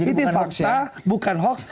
itu fakta bukan hoax